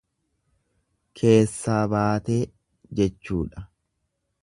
Keessaa baatee, jechuudha.